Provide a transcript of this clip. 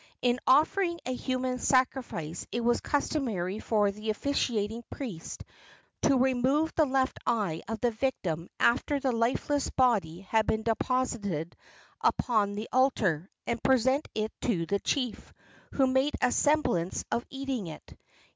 In offering a human sacrifice it was customary for the officiating priest to remove the left eye of the victim after the lifeless body had been deposited upon the altar, and present it to the chief, who made a semblance of eating it.